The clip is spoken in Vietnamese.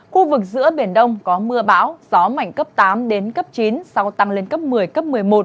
khu vực giữa biển đông có mưa bão gió mạnh cấp tám đến cấp chín sau tăng lên cấp một mươi cấp một mươi một